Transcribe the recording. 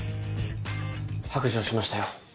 白状しましたよ。